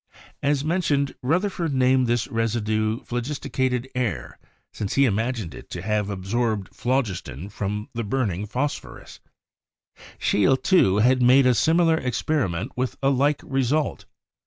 As mentioned, Rutherford named this residue "phlogisticated air," since he imagined it to have absorbed phlogiston from the burning phosphorus; Scheele, too, had made a similar experiment with a like result.